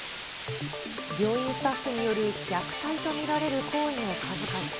病院スタッフによる虐待と見られる行為の数々。